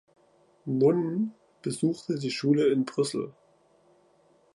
Nunn besuchte die Schule in Brüssel.